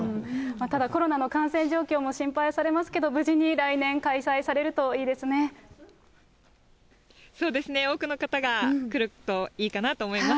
ただ、コロナの感染状況も心配されますけど、無事に来年開催そうですね、多くの方が来るといいかなと思います。